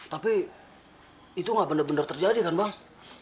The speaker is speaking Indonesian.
tapi itu gak bener bener terjadi kan bang